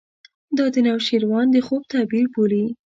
دا د نوشیروان د خوب تعبیر بولي.